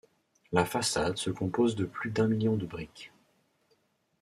La façade se compose de plus d'un million de briques.